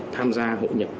tham gia hội nhập